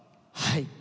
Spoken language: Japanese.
はい！